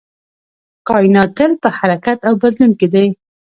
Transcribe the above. کائنات تل په حرکت او بدلون کې دی